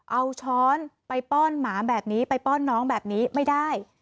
เอาช้อนไปป้อนหมาแบบนี้ไปป้อนน้องแบบนี้ไม่ได้